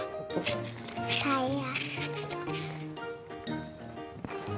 タイヤ。